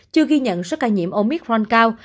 chưa ghi nhận số ca nhiễm omicron cao